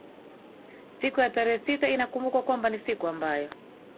siku ya tarehe sita inakumbukwa kwamba ni siku ambayo